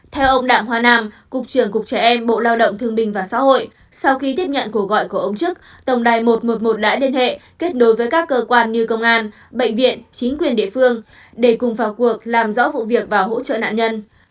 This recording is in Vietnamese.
theo ông đặng hoa nam cục trưởng cục trẻ em bộ lao động thương bình và xã hội sau khi tiếp nhận cuộc gọi của ông trức tổng đài một trăm một mươi một đã liên hệ kết nối với các cơ quan như công an bệnh viện chính quyền địa phương để cùng vào cuộc làm rõ vụ việc và hỗ trợ nạn nhân